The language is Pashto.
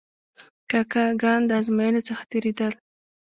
کاکه ګان د آزموینو څخه تیرېدل.